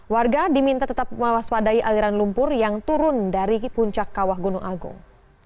warga diminta tetap mewaspadai aliran lumpur yang turun dari puncak kawah gunung agung